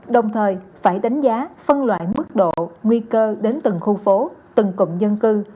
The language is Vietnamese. đồng thời phải đánh giá phân loại mức độ nguy cơ đến từng khu phố từng cụm dân cư